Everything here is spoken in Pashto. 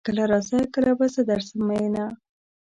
کله راځه کله به زه درځم ميينه